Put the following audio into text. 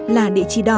là địa chỉ đó